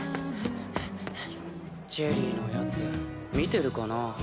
チェリーのやつ見てるかな？